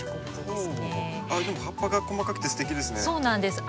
でも葉っぱが細かくてすてきですね。